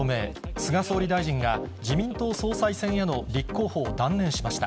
菅総理大臣が自民党総裁選への立候補を断念しました。